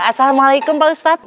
assalamualaikum pak ustadz